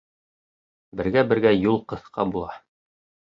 Бергә-бергә юл ҡыҫҡа була.